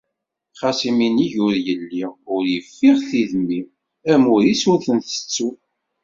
Xas iminig ur yelli, ur yeffiɣ tidmi, amur-is ur t-ntettu.